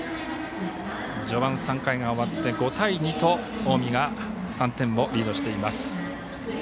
序盤３回が終わって５対２と近江が３点をリードしています。